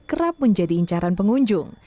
kerap menjadi incaran pengunjung